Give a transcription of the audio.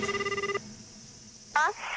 あっ。